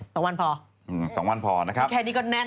สองวันพออืมสองวันพอนะครับแค่นี้ก็แน่น